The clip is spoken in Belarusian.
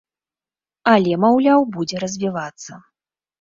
Але, маўляў, будзе развівацца.